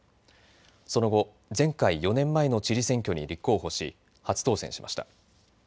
その後前回、４年前の知事選挙に立候補し、初当選しました。